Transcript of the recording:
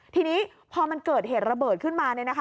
ทีนี้พอมันเกิดเหตุระเบิดขึ้นมา